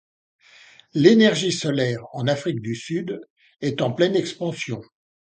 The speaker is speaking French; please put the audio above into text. L'énergie solaire en Afrique du Sud est en pleine expansion.